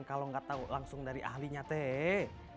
kalau nggak tahu langsung dari ahlinya teh